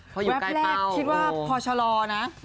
เพราะอยู่ใกล้เป้าโอ้โฮแรกคิดว่าพอชะลอนะ